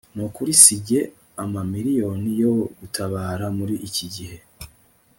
Nukuri si njye Amamiliyoni yo gutabara muri iki gihe